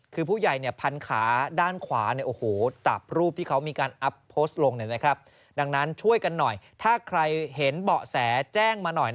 คือผู้ใหญ่พันขาด้านขวาตับรูปที่เขามีการอัพโพสต์ลง